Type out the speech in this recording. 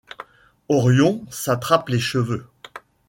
Orion s’attrape les cheveux.